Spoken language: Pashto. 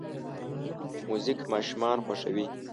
موزیک ماشومان خوښوي.